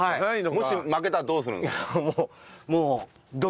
もし負けたらどうするんですか？